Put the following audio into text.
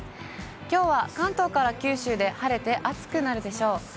きょうは関東から九州で晴れて暑くなるでしょう。